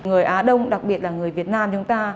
người á đông đặc biệt là người việt nam chúng ta